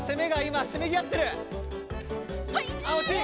あおしい！